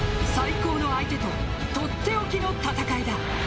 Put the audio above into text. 最高の相手ととっておきの戦いだ。